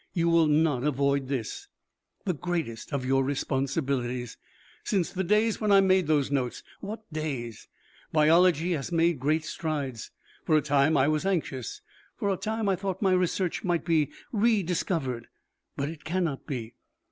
You will not avoid this, the greatest of your responsibilities. Since the days when I made those notes what days! biology has made great strides. For a time I was anxious. For a time I thought that my research might be rediscovered. But it cannot be.